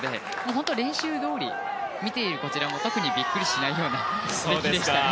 本当に練習どおり見ているこちらもビックリしないような出来でした。